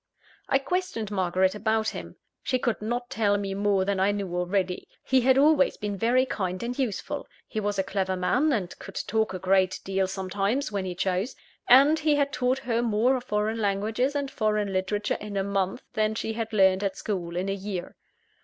I questioned Margaret about him. She could not tell me more than I knew already. He had always been very kind and useful; he was a clever man, and could talk a great deal sometimes, when he chose; and he had taught her more of foreign languages and foreign literature in a month, than she had learned at school in a year.